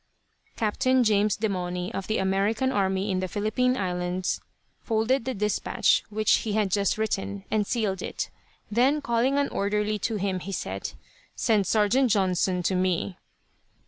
Captain James Demauny, of the American army in the Philippine Islands, folded the dispatch which he had just written, and sealed it. Then, calling an orderly to him he said, "Send Sergeant Johnson to me."